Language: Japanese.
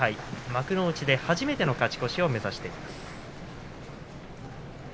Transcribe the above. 幕内で初めての勝ち越しを目指しています。